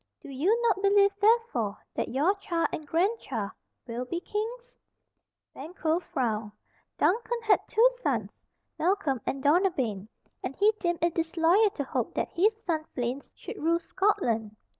Do you not believe, therefore, that your child and grandchild will be kings?" Banquo frowned. Duncan had two sons, Malcolm and Donalbain, and he deemed it disloyal to hope that his son Fleance should rule Scotland.